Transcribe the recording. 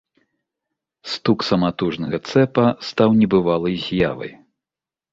Стук саматужнага цэпа стаў небывалай з'явай.